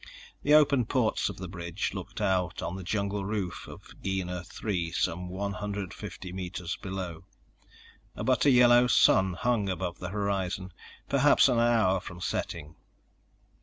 The open ports of the bridge looked out on the jungle roof of Gienah III some one hundred fifty meters below. A butter yellow sun hung above the horizon, perhaps an hour from setting.